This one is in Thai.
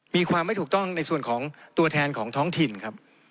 มีความไม่ถูกต้องในส่วนของตัวแทนของท้องถิ่นครับ